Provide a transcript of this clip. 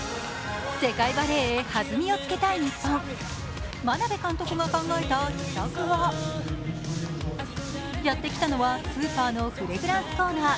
世界バレーへ弾みをつけたい日本眞鍋監督が考えた秘策はやって来たのはスーパーのフレグランスコーナー。